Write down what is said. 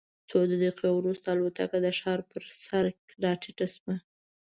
څو دقیقې وروسته الوتکه د ښار پر سر راټیټه شوه.